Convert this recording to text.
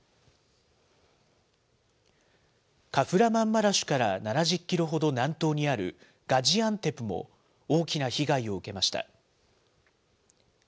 カフラマンマラシュから７０キロほど南東にあるガジアンテプも大きな被害を受けました。